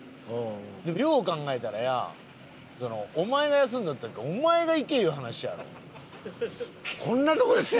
でもよう考えたらよお前が休んどったからお前が行けいう話やろ。